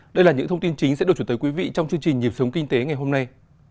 đây là những thông tin chính sẽ được chuyển tới quý vị trong chương trình nhịp sống kinh tế ngày hôm nay